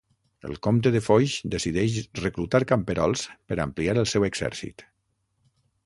El comte de Foix decideix reclutar camperols per ampliar el seu exèrcit.